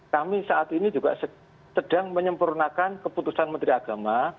kami saat ini juga sedang menyempurnakan keputusan menteri agama